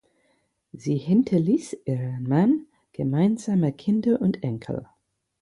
Sie hinterließ ihren Mann, gemeinsame Kinder und Enkel.